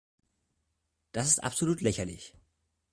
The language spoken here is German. Das ist absolut lächerlich.